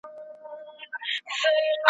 آیا کلیوال ژوند تر ښاري ژوند ساده دی؟